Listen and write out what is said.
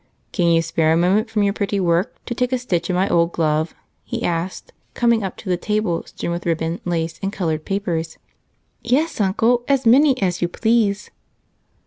"Can you spare a minute from your pretty work to take a stitch in my old glove?" he asked, coming up to the table strewn with ribbon, lace, and colored papers. "Yes, Uncle, as many as you please."